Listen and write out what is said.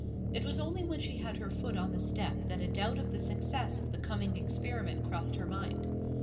It was only when she had her foot on the step that a doubt of the success of the coming experiment crossed her mind.